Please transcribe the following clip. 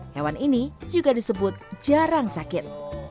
hewan ini juga disebut jarang sakit